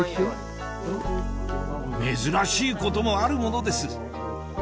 珍しいこともあるものです